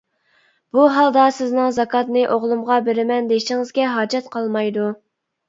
بۇ ھالدا سىزنىڭ زاكاتنى ئوغلۇمغا بېرىمەن دېيىشىڭىزگە ھاجەت قالمايدۇ.